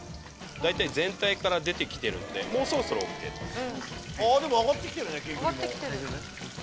大体全体から出てきてるのでもうそろそろＯＫです。